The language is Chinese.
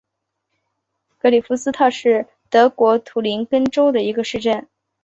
格里夫斯特是德国图林根州的一个市镇。